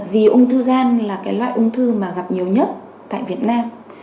vì ung thư gan là cái loại ung thư mà gặp nhiều nhất tại việt nam